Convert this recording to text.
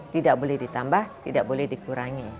tidak boleh ditambah tidak boleh dikurangi